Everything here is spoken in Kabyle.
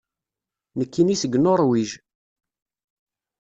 Nekkini seg Nuṛwij.